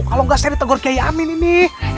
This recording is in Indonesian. kalau nggak saya di tegur kiai amin ini